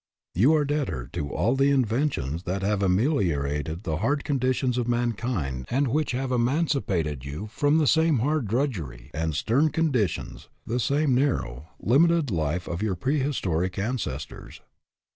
You are debtor to all the inven 208 DOES THE WORLD OWE YOU? tions that have ameliorated the hard conditions of mankind and which have emancipated you from the same hard drudgery and stern condi tions, the same narrow, limited life of your prehistoric ancestors.